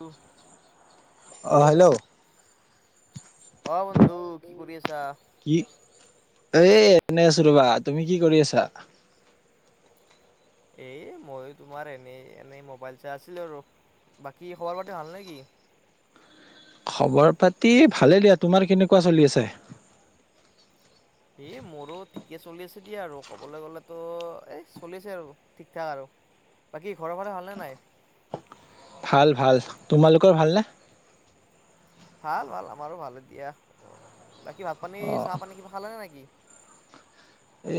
অ অঁ হেল্ল'। আহ বন্ধু, কি কৰি আছা? কি এ এনেই আছো ৰবা, তুমি কি কৰি আছা? এ মইয়ো তোমাৰ এনেই-এনেই মোবাইল চাই আছিলো আৰু বাকী খবৰ পতি ভাল নেকি? [unintelligible] খবৰ পাতি ভালেই দিয়া। তোমাৰ কেনেকুৱা চলি আছে? এ মোৰো ঠিকে চলি আছে দিয়া আৰু। ক'বলৈ গলেতো এ চলিছে আৰু ঠিকঠাক আৰু। বাকী ঘৰৰ ফাল ভালনে নাই? ভাল ভাল, তোমালোকৰ ভালনে? ভাল ভাল আমাৰো ভাল এতিয়া, বাকী ভাত পানী অ চাহ পানী কিবা খালে নে নেকি?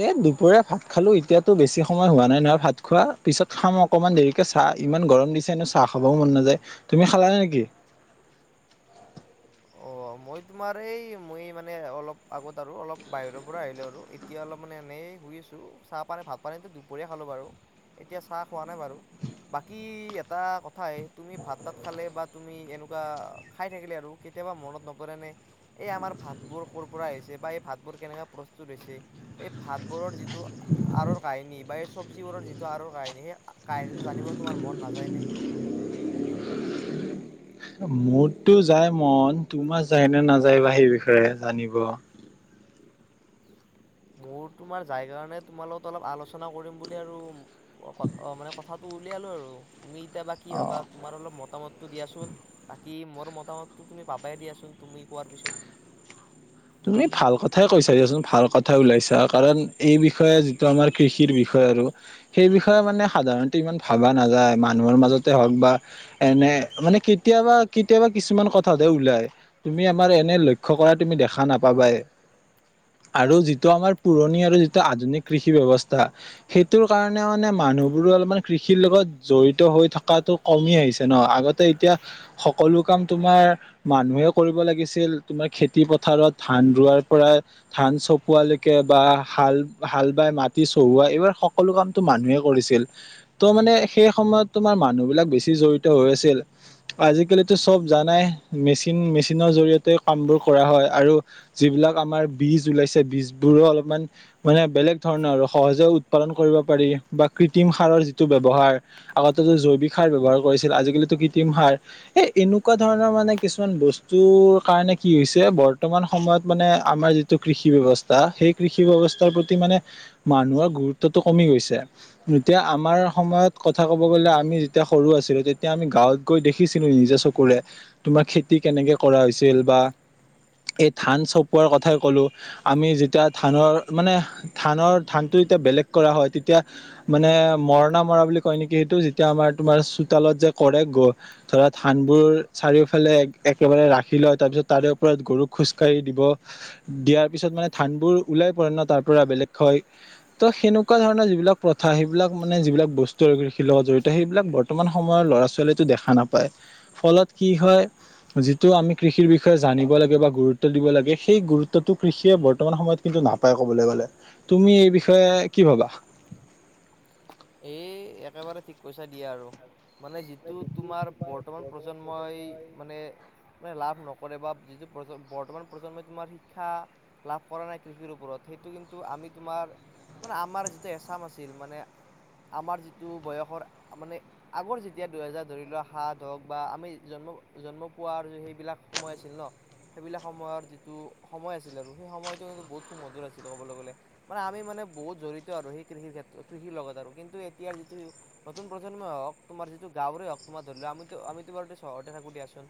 এই দুপৰীয়া ভাত খালো এতিয়াতো বেছি সময় হোৱা নাই নহয় ভাত খোৱা, পিছত খাম অকণমান দেৰিকে চাহ ইমান গৰম দিছে নো চাহ খাবও মন নাযায়, তুমি খালা নেকি? অ' মই তোমাৰ এই মই মানে অলপ আগত আৰু অলপ বাহিৰৰ পৰা আহিলো আৰু এতিয়া অলপ মানে এনেই শুই আছো চাহ পানী ভাত পানীটো দুপৰীয়া খালো বাৰু, এতিয়া চাহ খোৱা নাই বাৰু। বাকী এটা কথাই তুমি ভাত তাত খালে বা তুমি এনেকুৱা খাই থাকিলে আৰু কেয়াব মনত ন পৰেনে এই আমাৰ ভাতবোৰ ক'ৰ পৰা আহিছে বা এই ভাতবোৰ কেনেকা প্ৰস্তুত হৈছে, এই ভাতবোৰ বোৰৰ যিটো আঁৰৰ কাহিনী বা এই চব্জিবোৰৰ যিটো আঁৰৰ কাহিনী সেই কাহিনীটো জানিব তোমাৰ মন নাযায় নে? মোৰতো যায় মন, তোমা যায় নে নাযায় বা সেই বিষয়ে জানিব। মোৰ তোমাৰ যাই কাৰণে তোমাল অলপ আলোচনা কৰিম বুলি আৰু মানে কথাটো উলিয়ালো আৰু তুমি এতিয়া বা কি অ ভাবা তোমাৰ অলপ মতামতটো দিয়াচোন কি মোৰ মতামতটো তুমি পাবাই দিয়াচোন তুমি কোৱাৰ পিছত। তুমি ভাল কথাই কৈছা দিয়াচোন ভাল কথাই ওলাইছা কাৰণ এই বিষয়ে যিটো আমাৰ কৃষিৰ বিষয়ে আৰু, সেই বিষয়ে মানে সাধাৰণতে ইমান ভাবা নাযায় মানুহৰ মাজতে হওক বা এনে মানে কেতিয়াবা কেতিয়াবা কিছুমান কথাতে ওলাই, তুমি আমাৰ এনে লক্ষ্য কৰা তুমি দেখা খানাপাবায়। আৰু যিটো আমাৰ পুৰণি আৰু যিটো আধুনিক কৃষি ব্যৱস্থা, সেইটোৰ কাৰণে মানে মানুহবোৰো অলপমান কৃষিৰ লগত জড়িত হৈ থকাটো কমি আহিছে ন' আগতে এতিয়া সকলো কাম তোমাৰ মানুহে কৰিব লাগিছিল তোমাৰ খেতি পথাৰত ধান ৰোৱাৰ পৰা ধান চপোৱালৈকে বা হাল-হাল বাই মাটি চহোৱা এইবাৰ সকলো কামটো মানুহে কৰিছিল ত' মানে সেই সময়ত তোমাৰ মানুহ বিলাক বেছি জডিত হৈ হৈ আছিল, আজিকালিতো চব জানাই মেচিন মেচিনৰ জৰিয়তে কামবোৰ কৰা হয়। আৰু যিবিলাক আমাৰ বীজ ওলাইছে বীজবোৰো অলপমান মানে বেলেগ ধৰণৰ আৰু সহজে উৎপাদন কৰিব পাৰি বা কৃত্ৰিম সাৰৰ যিটো ব্যৱহাৰ আগতে জৈৱিক সাৰ ব্যৱহাৰ কৰিছিল আজি কৃত্ৰিম সাৰ এ' এনেকুৱা ধৰণৰ মানে কিছুমান বস্তুৰ কাৰণে কি হৈছে ব বৰ্তমান সময়ত মানে আমাৰ যিটো কৃষি ব্যৱস্থা সেই কৃষি ব্যৱস্থাৰ প্ৰতি মানে মানুহৰ গুৰুত্বতটো কমি গৈছে, এতিয়া আমাৰ সময়ত কথা ক'ব গ'লে আমি যেতিয়া সৰু আছিলো তেতিয়া আম গাঁৱত গৈ দেখিছিলো নিজে চকুৰে তোমাৰ খেতি কেনেকে কৰা হৈছিল বা এই ধান চপোৱাৰ কথাই ক'লো আমি যেতিয়া ধানৰ মানে ধানৰ ধানটো তে বেলেগ কৰা হয় তেতিয়া মানে মৰণা মৰা বুলি কয় নেকি সেইটো যেতিয়া আমাৰ তোমাৰ চোতালত যে কৰে গ ধৰা ধানবোৰ চাৰিওফালে একেবাৰে ৰাখি লয় তাৰপিছত তাৰে ওপৰত গৰুক খোজকাঢ়ি দিব, দিয়াৰ পিছত মানে ধানবোৰ ওলাই পৰে ন তাৰ পৰা বেলেগ সেনেকুৱা ধৰণৰ যিবিলাক প্ৰথা সেইবিলাক মানে যিবিলাক বস্তু কৃষিৰ লগত জড়িত, সেইবিলাক বৰ্তমান সময়ৰ ল'ৰা ছোৱালী দেখা নাপায়। ফলত কি হয়, যিটো আমি কৃষিৰ বিষয়ে জানিব লাগে বা গুৰুত্ব দিব লাগে। সেই গুৰুত্বটো কৃষিয়ে বৰ্তমান সময়ত কিন্তু নাপায় কবলৈ গ'লে। তুমি এই বিষয়ে কি ভাবা? এই একেবাৰে ঠিক কৈছা দিয়ে আৰু। মানে যিটো তোমাৰ বৰ্তমান প্ৰজন্মই মানে মানে লাভ নক কৰে বা যিটো বৰ্তমান প্ৰজন্মই তোমাৰ শিক্ষা লাভ কৰা নাই কৃষিৰ ওপৰত সেইটো কিন্তু আম আমি তোমাৰ মানে আমাৰ যিটো এছাম আছিল মানে আমাৰ যিটো বয়সৰ মানে আগৰ যেতিয়া দুহেজাৰ ধৰি লোৱা হাত হওক বা আমি জম-জন্ম পোৱা আৰু সেইবিলাক সময় আছিল ন সেইবিলাক সময়ৰ যিটো সময় আছিল আৰু সেই সময়টো কিন্ত বহুত সুমধুৰ আছিল ক'বলৈ গ'লে, মানে আমি মানে বহুত জড়িত আৰু সেই কৃষিৰ ক্ষেত্ৰত কৃষিৰ লগত আৰু। কিন্তু এতিাৰ যিটো নতুন প্ৰজন্ম হক তোমাৰ যিটো গাঁৱৰে হওকোম ধৰিলোৱা আমিতো আমিতুবাৰুতে চহৰতে দিয়াচোন।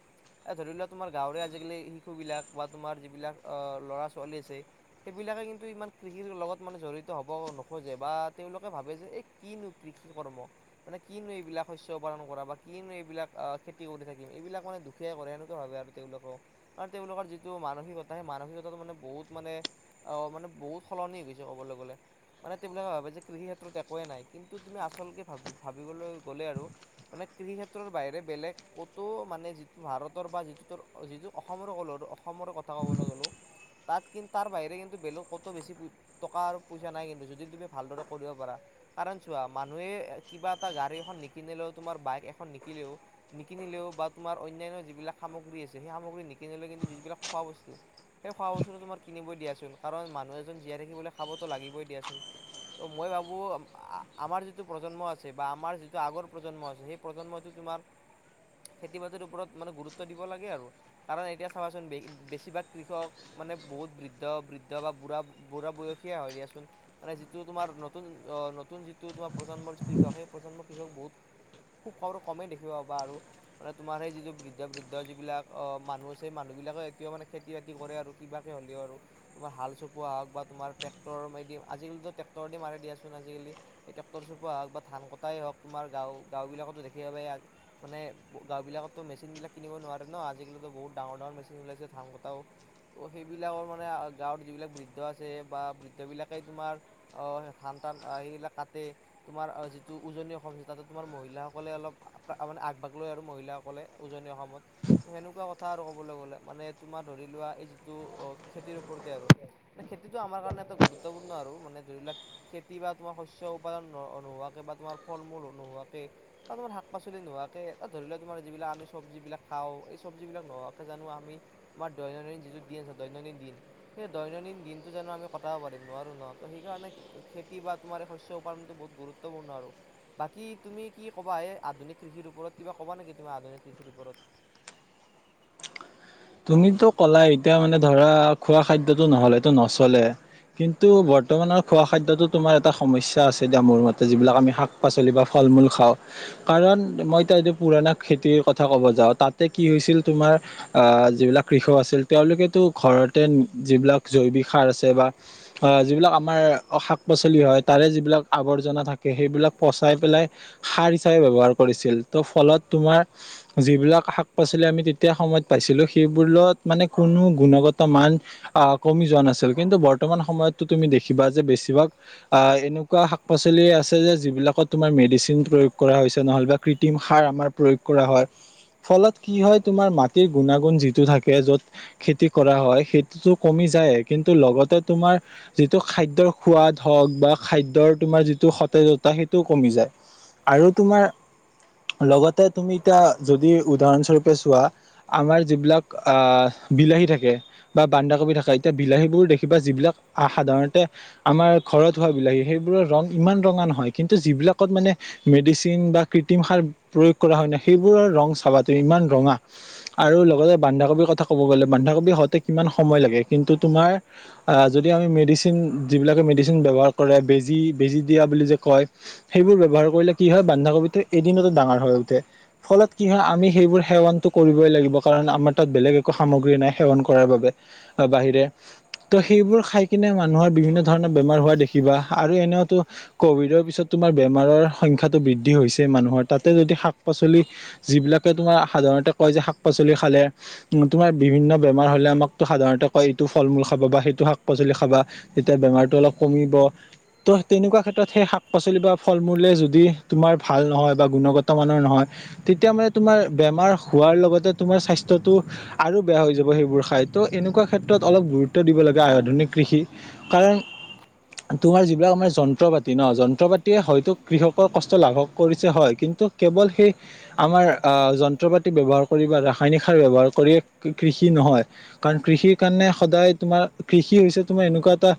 ধৰি লোৱা তোমাৰ গাঁৱৰে আজিকালি শিশু বিলাক বা তোমাৰ যিবিলাক অ ল'ৰা ছোৱালী সেইবিলাকে। কিন্তু ইমান কৃষিৰ লগত মানে জড়িত হ'ব নোখোজে, বা তেওঁলোকে ভাবে যে এই কিনো কৃষি কৰ্ম, মানে কিনো এইবিলাক শস্ উপাদন কৰা বা কিনো এইবিলাক আহ খেতি কৰি থাকিম, এইবিলাক মানে দুখীয়াই কৰে এনেকুৱা ভাবে আৰু তেওঁলোকে। আৰু তেওঁলোকৰ যিটো মানসিকতা সেই মানসিকতাটো মানে বহুত মানে অ মানে বহুত সলনি গৈছে ক'বলৈ গ'লে। মানে তেবিলাকে ভাবে যে কৃষি ক্ষেত্ৰত একোৱে নাই। কিন্তু তুমি আচলকে ভাব ভাবিবলৈ গ'লে আৰু, মানে কৃষি ক্ষেত্ৰৰ বাহিৰে বেলেগ ক'তো মানে যিটো ভাৰতৰ বা যিটো, যিটো অসমৰ ক' অসমৰ কথা ক'বলৈ গ'লো তাত কিন্তু তাৰ বাহিৰে কিন্তু বেলগ ক'তো বেছি টকা আৰু পইচা নাই কিন্তু যদি তুমি ভালদৰে কৰিব পাৰা। কাৰণ চোৱা মানুহে কিবা এটা গাড়ী এখন নিকিনিলেও তোমাৰ, বাইক এখন নিকিলেও নিকিনিলেও বা তোমাৰ অন্যান্য যিবিলাক সামগ্ৰী আছে, সেই সামগ্ৰী নিকিনিলে কিন্তু যিবিলাক খোৱা বস্তু সেই খোৱা বস্তুটো তোমাৰ কিনিবই দিয়াচোন। কাৰণ মানুহ এজন জীয়াই থাকিবলৈ খাবতো লাগিবই দিয়াচোন। ত মই ভাবো আমাৰ যিটো প্ৰজন্ম আছে বা আমাৰ যিটো আগৰ প্ৰজন্ম আছে। সেই প্ৰজন্মটো তোমাৰ খেতি বাতিৰ ওপৰত মানে গুৰুত্ব দিব লাগে আৰু। কাৰণ এতিয়া চাবাচোন বেছিভাগ কৃষক মানে বহুত বৃদ্ধ-বৃদ্ধ বা বুঢ়া-বুঢ়া বয়সিয় হয় দিয়াচোন। মানে যিটো তোমাৰ নতুন অ নতুন যিটো তোমাৰ প্ৰজন্ম কৃষক। সেই প্ৰজন্ম কৃষক বহুত খুব আৰু কমেই দেখিবা পবা আৰু। মানে তোমাৰ সেই যিটো বৃদ্ধ-বৃদ্ধ যিবিলাক অ মানুহ আছে, মানুহ বি এইবলাকে এতিয়াও মানে খেতি বাতি কৰে আৰু। কিবাকে হ'লেও আৰু, তোমাৰ হাল চপোৱা হওক তমাৰ ট্ৰেক্টৰ মে আজিকালিতো ট্ৰে্টৰে দি মাৰে দিয়াচ আজিকালি। এই ট্ৰেক্টৰ চপোৱা হওক বা ধান কটাই হওক, তোমাৰ গাঁও গাও বিলাকতো দেখি মানে এইবিলাকতো মেচিনবিলাক কিনিব নোৱাৰে ন। আজিকালিতো বহুত ডাঙৰ-ডাঙৰ মেচিন ওলাছেই ধাম কটাও ত সেইবিলাকৰ মানে গাঁৱত যিবিলাক বৃদ্ধ আছে বা বৃদ্ধ বিলাকে তোমাৰ আহ ধান স আহিল কাটতে। তোমাৰ যিটো উজনি অসম তাতো তোমাৰ মহিলাসকলে অলপ মানে আগভাগ লয় আৰু মহিলা কলে উজনি অসমত। সেনেকুৱা কথা আৰু ক'বলৈ গলে, মানে তোমাৰ ধৰি লোৱা এই যিটো আহ খেতিৰ ওপৰতে আৰু। মানে খেতিটো আমাৰ কাৰণে এটা গুৰুত্বপূৰ্ণ আৰু মানোক খেতি বা শিষ্য উপাদান নোহোৱাকে, বা তোমাৰ ফল-মূল নোহোৱাকে, বা তোমাৰ শাক-পাচলি নোহোৱাকে, এ ধৰিলে তোমাৰ যিবিলাক আমি চব্জিবিলাক খাওঁ। এই চব্জিবিলাক নোৱাকে জানো আমি আমাৰ দৈনন্দিন যিটো দিন আ দৈনন্দিন সেই দৈনন্দিন দিনটো জানো আমি কটাব পাৰিম নোৱাৰো ন ত সেইকাৰণে খেতি বা তুমাৰ শ উপ বহুত গুৰুত্বপূৰ্ণ আৰু। বাকী তুমি কি ক'বা এ? আধুনিক কৃষিৰ ওপৰত কিবা ক'ব নেকি? তোমাৰ আধুনিক কৃষিৰ ওপৰত [unintelligible] তুমিতো কলা এতিয়া মানে ধৰা খোৱা খাদ্যটো নহলে এইটো নচলে। কিন্তু বৰ্তমানৰ খোৱা খাদ্যতো তুমাৰ এটা সমস্যা আছে দিয়া মোৰ মতে। যিবিলাক আমি শাক পাচলি বা ফল মূল খাওঁ। কাৰণ মই এতিয়া যদি পুৰণা খেতিৰ কথা ক'ব যাওঁ। তাতে কি হৈছিল তোমাৰ আ' যিবিলাক কৃষক আছিল তেওঁলোকেতো ঘৰতে যিবিলাক জৈৱিক সাৰ আছে বা যিবিলাক আমাৰ শাক - পাচলি হয় তাৰে যিবিলাক আৱৰ্জনা থাকে সেইবিলাক পচাই পেলাই সা সাৰ হিচাপে ব্যৱহাৰ কৰিছিল। ত' ফলত তোমাৰ যিবিলাক শাক পাচলি আমি তেতিয়া সময়ত পাইছিলো সেইবোৰত মানে কোনো গুণগত মান আহ কমি যোৱা নাছিল, কিন্তু বৰ্তমান সময়ত তুমি দেখিবা যে বেছিভাগ আঁ এনেকুৱা শাক পাচলি আছে যে যিবিলাকত তোমাৰ মেডিচিন প্ৰয়োগ কৰা হৈছে নহ'লে বা কৃত্ৰিম সাৰ আমাৰ প্ৰয়োগ কৰা হয় ফলত কি হয় তোমাৰ মা টিৰ গুণাগুণ যিটো থাকে য'ত খেতি কৰা হয়, সেইটোতো কমি যায় কিন্তু লগতে তোমাৰ যিটো খাদ্যৰ সোৱাদ হওঁক বা খাদ্যৰ তোমাৰ যিটো সতেজতা সেইটোও কমি যায়। আৰু তোমাৰ, লগতে তুমি এতিয়া যদি উদাহৰণস্বৰূপে চোৱা আমাৰ যিবিলাক বিলাহী থাকে বা বানধাকবি থাকে এতিয়া বিলাহীবোৰ দেখিবা যিবিলাক আহ সাধাৰণতে আমাৰ ঘৰত হোৱা বিলাহী সেইবোৰৰ ৰং ইমান ৰঙা নহয়। কিন্তু যিবিলাকত মানে মেডিচিন বা কৃত্ৰিম সাৰ প্ৰয়োগ কৰা হয় ন। সেইবোৰৰ ৰং চাবা তুমি ইমান ৰঙা, আৰু লগতে বন্ধাকবিৰ কথা ক'ব গলে, বন্ধাকবি হওঁতে কিমান সময় লাগে। কিন্তু তুমাৰ আহ যদি মেডিচিন, যিবিলাকে মেডিচিন ব্যৱহাৰ কৰে, বেজী- বেজী দিয়া বুলি যে কয়। সেইবোৰ ব্যৱহাৰ কৰিলে কি হয়। বান্ধাকবিটো এদিনতো ডাঙৰ হৈ উঠে। ফলত কি হয় আমি সেইবোৰ সেৱনটো কৰিবই লাগিব আমাৰ ত বেলেগ একো সামগ্ৰী নাই সেৱন কৰ বাবে, বাহিৰে ত সেইবোৰ খ কিনে মানুহৰ বিভিন্ন ধৰণৰ বেমাৰ হোৱা দেখিবা আৰু এনেওঁতো কভিডৰ পিছত তোমাৰ বেমাৰৰ সং সংটো বৃদ্ধি হৈছে মানুহৰ তাতে যদি শাক পাচলি যিবিলাকে তোমাৰ সাধাৰণতে কয় যে শা শাক পাচলি খালে উঁ তোমাৰ বিভিন্ন বেমাৰ হ'লে আমাক সাধাৰণতে কয় এইটো ফল মূল খাব বা সেইটো শাক পাচলি খাবা ত বেমাৰ টো অলপ কমিব, ত' তেনেকোৱা ক্ষেত্ৰত সেইটো শাক- পাছলী বা ফল মূলেই যদি তোমাৰ ভাল নহয় বা গুণগত মানৰ নহয় তেতিয়া মানে তোমাৰ বেমাৰ হোৱাৰ লগতে তোমাৰ স্বাস্থ্যটো আৰু বেয়া হৈ যাব সেইবোৰ খাই ত' এনেকুৱা ক্ষেত্ৰত অলপ গুৰুত্ব দিব লাগে আাধুনিক কৃষি কাৰণ তোমাৰ যিবিলাক আমাৰ যন্ত্ৰ পাতি ন' যন্ত্ৰ পাতিয়ে হয়তো কৃষকৰ কষ্ট লাঘৱ কৰিছে হয় কিন্ ন্তু কেৱল সেই আমাৰ সেই যন্ত্ৰপাতি ব্যবহাৰ কৰি বা ৰাস ৰাসায়নিক সাৰ ব্যৱহাৰ কৰি কৃষি নহয় কাৰণ কৃষিৰ কাৰণে সদায় তোমাৰ কৃষি হৈছে ত এনেকুৱা এটা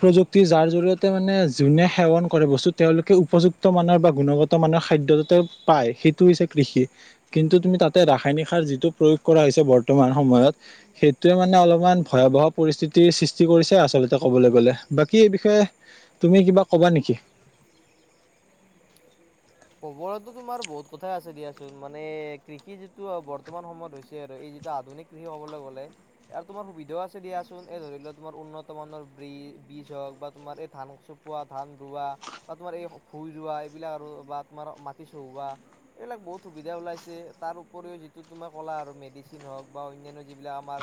প্ৰযুক্তি যাৰ জৰিয়তে মানে যোনে সেৱন কৰে বস্তু তেওঁলোকে উপযুক্ত মানৰ বা গুণগত মানৰ খাদ্য যাতে পায় সেইটো হৈছে কৃষি কিন্তু তুমি তাতে ৰাসায়নিক যিটো প্ৰয়োগ কৰা হৈছে বৰ্তমান সময়ত সেইটোয়ে মানে অলপমান ভয়াবহ পৰিস্থিতিৰ সৃষ্ট কৰিছে। আচলতে কবলৈ গলে বাকী এই বিষয়ে তুমি কিবা কবা নেকি? [inaudible] কবো তোমাৰ বহুত কথাই আছে দিয়াচোন মানে কৃষি যিটো বৰ্তমান সময়ত হৈছে আৰু এই যিটো আধুনিক কৃষি হবলৈ গলে আৰু তোমাৰ সুবিধাও আছে দিয়াচোন এই ধৰি লোৱা তোমাৰ উন্নত মানৰ ব্ৰি বীজ হওক বা তোমাৰ এই ধান চপোৱা ধান ৰোৱা বা তোমাৰ এই ভুই ৰোৱা এইবিলাক আৰু বা তোমাৰ মাটি চহোৱা এইবিলাক বহুত সুবিধা ওলাইছে তাৰ উপৰিও যিটো তোমাৰ ক'লা আৰু মেডিচিন হওক বা অন্যান্য যিবিলাক আমাৰ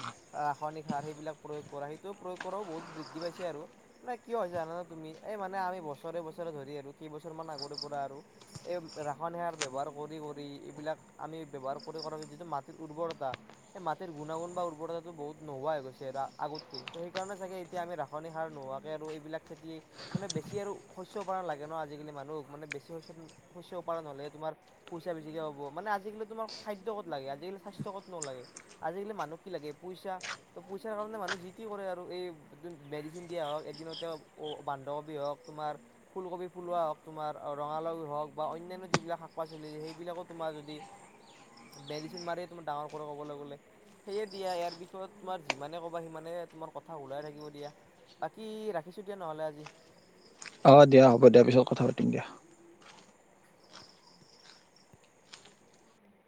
ৰাসায়নিক সাৰ সেইবিলাক প্ৰয়োগ কৰা সেইটো প্ৰয়োগ কৰাও বহুত বৃদ্ধি পাইছে আৰু নে কিয় হয় জানানো তুমি এই মানে আমি বছৰে বছৰে ধৰি আৰু কেইবছৰ মান আগৰে পৰা আৰু এই ৰাসায়নিক সাৰ ব্যৱহাৰ কৰি কৰি এইবিলাক আমি ব্যৱহাৰ কৰি কৰা যিটো মাটিৰ উৰ্বৰতা এই মাটিৰ গুণাগুণ বা উৰ্বৰতা বহুত নোহোৱা হৈ গৈছে আগতকে সেই কাৰণে চাগে এতিয়া আমি ৰাসায়নিক সাৰ নোহোৱাকৈ আৰু এইবিলাক খেতি মানে বেছি আৰু শস্য পৰা নালাগে ন আজিকালি মানুহক মানে বেছি শস্য শস্য উপাৰ্জন হলে তোমাৰ পইচা বেছিকে হব মানে আজিকালি তোমাৰ খাদ্য কত লাগে আজিকালি স্বাস্থ্য কত নলাগে। আজিকালি মানুহ কি লাগে পইচা ত পইচাৰ কাৰণে মানুহ যি টি কৰে আৰু এই মেডিচিন দিয়া হওক এদিনতে বান্ধাকবি হওক তোমাৰ ফুলকবি ফুলুৱা হওক তোমাৰ ৰঙালাও হওক বা অন্যান্য যিবিলাক শাক পাচলি সেইবিলাকো তোমাৰ যদি মেডচিন মাৰিয়ে তোমাৰ ডাঙৰ কৰা ক'বলৈ গ'লে সেয়ে দিয়া ইয়াৰ বিষয়ত তোমাৰ যিমানে কবা সিমানে তোমাৰ কথা ওলাই থাকিব দিয়া। বাকী ৰাখিছো দিয়া নহ'লে আজি। অ', দিয়া হ'ব দিয়া। পিছত কথা পাতিম দিয়া।